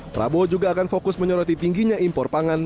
prabowo juga akan fokus menyoroti tingginya impor pangan